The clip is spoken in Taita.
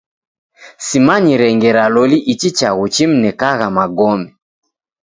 Simanyire ngera loli ichi chaghu chimnekagha magome.